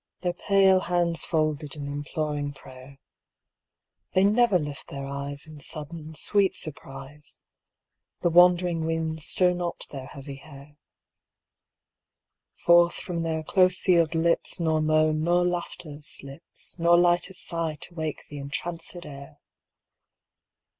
Their pale hands folded in imploring prayer ; They never lift their eyes In sudden, sweet surprise ; The wandering winds stir not their heavy hair ; Forth from their close sealed lips Nor moan, nor laughter, slips. Nor lightest sigh to wake the entranced air